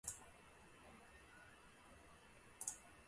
中华人民共和国是工人阶级领导的